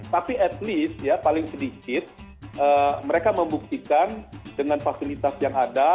tapi at least ya paling sedikit mereka membuktikan dengan fasilitas yang ada